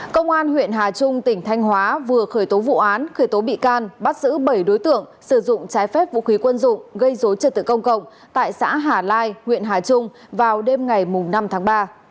công an huyện hà trung tỉnh thanh hóa vừa khởi tố vụ án khởi tố bị can bắt giữ bảy đối tượng sử dụng trái phép vũ khí quân dụng gây dối trật tự công cộng tại xã hà lai huyện hà trung vào đêm ngày năm tháng ba